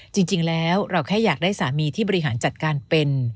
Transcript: จริงแล้วเราแค่อยากได้สามีที่บริหารจัดการเป็น